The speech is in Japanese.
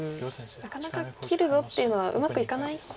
なかなか「切るぞ」っていうのはうまくいかない。